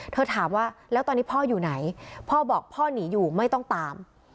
ถามว่าแล้วตอนนี้พ่ออยู่ไหนพ่อบอกพ่อหนีอยู่ไม่ต้องตาม